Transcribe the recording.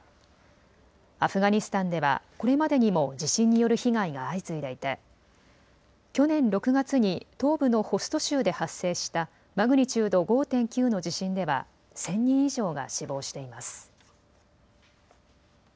アフガニスタンではこれまでにも地震による被害が相次いでいて去年６月に東部のホスト州で発生したマグニチュード５．９の地震では１０００人以上が死亡しています。